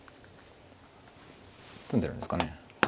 詰んでるんですかね。